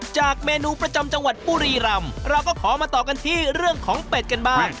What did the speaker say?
จากเมนูประจำจังหวัดบุรีรำเราก็ขอมาต่อกันที่เรื่องของเป็ดกันบ้าง